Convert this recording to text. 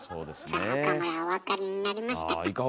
さあ岡村お分かりになりましたか？